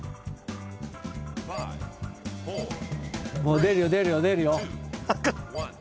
出るよ出るよ出るよ。